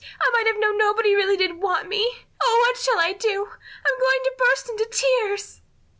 I might have known nobody really did want me. Oh, what shall I do? I'm going to burst into tears!"